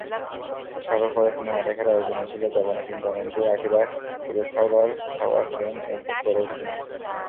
সাগরপাড়ে cinema দেখার আয়োজনে ছিল জাপানি কিংবদন্তি আকিরা কুরোসাওয়ার রেন-এর প্রদর্শনী।